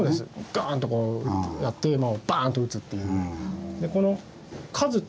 ガーンとやってバーンと撃つっていう。